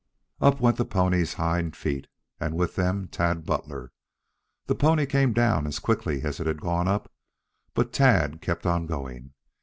Up went the pony's hind feet and with them Tad Butler. The pony came down as quickly as it had gone up, but Tap kept on going.